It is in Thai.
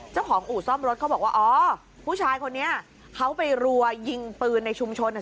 อู่ซ่อมรถเขาบอกว่าอ๋อผู้ชายคนนี้เขาไปรัวยิงปืนในชุมชนอ่ะ